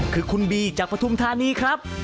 คือคุณบีจากปฐุมธานีครับ